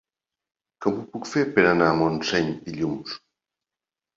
Com ho puc fer per anar a Montseny dilluns?